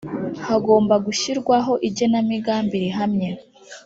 hagomba gushyirwaho igenamigambi rihamye